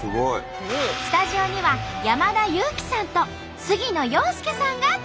スタジオには山田裕貴さんと杉野遥亮さんが登場。